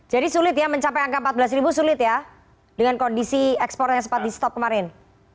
jadi sulit ya mencapai angka empat belas sulit ya dengan kondisi ekspornya sempat di stop kemarin